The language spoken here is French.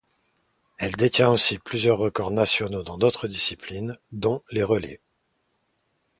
Elle détient aussi plusieurs records nationaux dans d'autres disciplines, dont les relais.